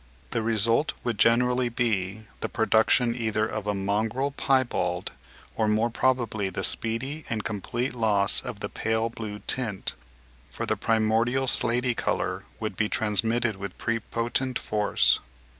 The result would generally be the production either of a mongrel piebald lot, or more probably the speedy and complete loss of the pale blue tint; for the primordial slaty colour would be transmitted with prepotent force.